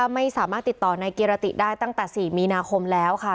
ไม่สามารถติดต่อนายกิรติได้ตั้งแต่๔มีนาคมแล้วค่ะ